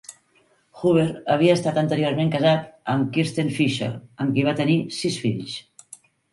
Huber havia estat anteriorment casat amb Kirsten Fischer, amb qui va tenir sis fills.